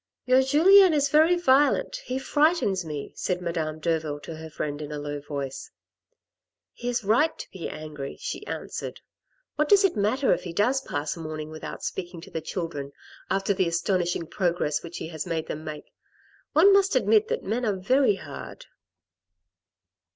"Your Julien is very violent; he frightens me," said Madame Derville to her friend, in a low voice. " He is right to be angry," she answered. " What does it matter if he does pass a morning without speaking to the children, after the astonishing progress .which he has made them make. One must admit that men are very hard."